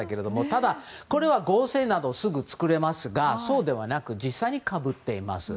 ただ、これは合成などすぐ作れますがそうではなく実際にかぶっています。